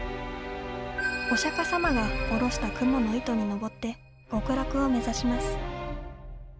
お釈迦様が伸ばしたクモの糸に登って極楽を目指します。